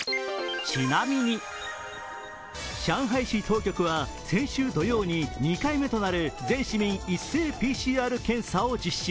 上海市当局は先週土曜に２回目となる全市民一斉ＰＣＲ検査を実施。